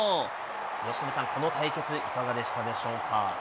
由伸さん、この対決、いかがでしたでしょうか。